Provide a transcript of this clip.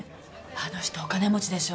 あの人お金持ちでしょ。